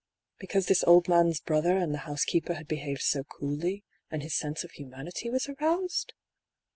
Because this old man's brother and the housekeeper had behaved so coolly, and his sense of humanity was aroused